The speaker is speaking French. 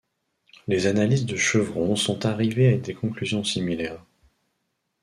Les analystes de Chevron sont arrivés à des conclusions similaires.